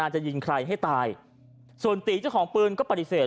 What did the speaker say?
จะยิงใครให้ตายส่วนตีเจ้าของปืนก็ปฏิเสธ